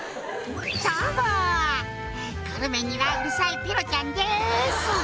「どうもグルメにはうるさいペロちゃんです」